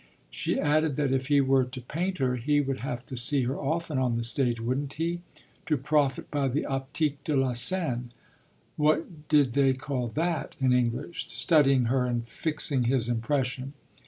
She added that if he were to paint her he would have to see her often on the stage, wouldn't he? to profit by the optique de la scène what did they call that in English? studying her and fixing his impression.